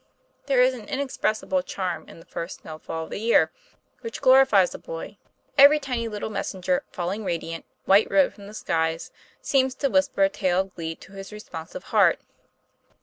There is an inexpressible charm in the first snowfall of the year, which glori fies a boy; every tiny little messenger falling radi ant, white robed from the skies seems to whisper a tale of glee to his responsive heart.